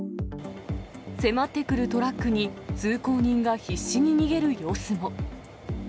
迫ってくるトラックに、通行人が必死に逃げる様子も。